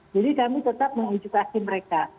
jadi kami tetap mengedukasi mereka